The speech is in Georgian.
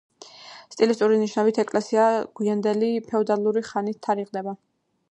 სტილისტური ნიშნებით ეკლესია გვიანდელი ფეოდალური ხანით თარიღდება.